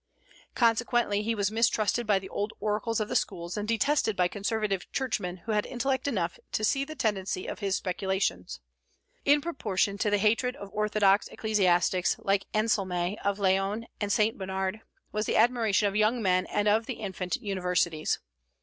Consequently he was mistrusted by the old oracles of the schools, and detested by conservative churchmen who had intellect enough to see the tendency of his speculations. In proportion to the hatred of orthodox ecclesiastics like Anselme of Laon and Saint Bernard, was the admiration of young men and of the infant universities.